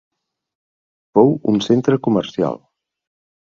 Fou un centre comercial.